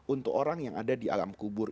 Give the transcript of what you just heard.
untuk orang yang ada di alam kubur